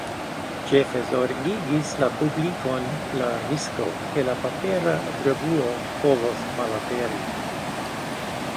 Ĉefe zorgigis la publikon la risko, ke la papera revuo povos malaperi.